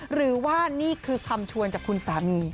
หรือว่านี่คือคำชวนจากคุณสามี